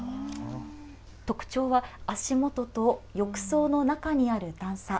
特徴は、足元と、浴槽の中にある段差。